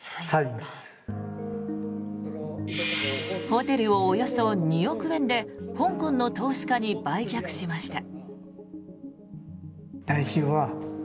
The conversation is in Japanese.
ホテルをおよそ２億円で香港の投資家に売却しました。